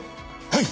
はい！